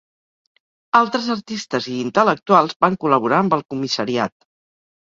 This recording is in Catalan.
Altres artistes i intel·lectuals van col·laborar amb el Comissariat.